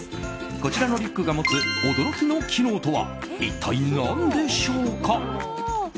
こちらのリュックが持つ驚きの機能とは一体何でしょうか。